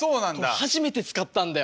初めて使ったんだよ。